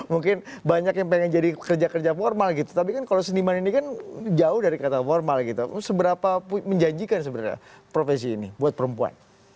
mungkin banyak yang pengen jadi kerja kerja formal gitu tapi kan kalau seniman ini kan jauh dari kata formal gitu seberapa menjanjikan sebenarnya profesi ini buat perempuan